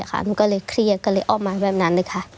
หนูก็เลยเครียดก็เลยออกมาแบบนั้นเลยค่ะ